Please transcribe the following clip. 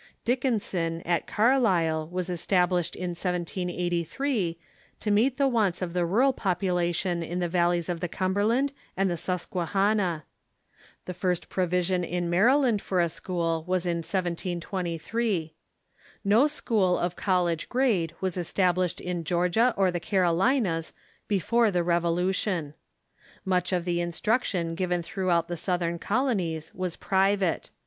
Dickinson, at Carlisle, was established in 1783, to meet the wants of the rural population in the valleys of^the Cumberland and the Susquehanna. The first provision in Ma rjdand for a school was in 1723. No school of college grade Avas established in Georgia or the Carolinas before the Revo lution. Much of the instruction given throughout the South ern colonies was j^rivate.